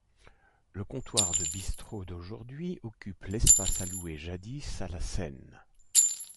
Le comptoir de bistrot d'aujourd'hui occupe l'espace alloué, jadis, à la scène.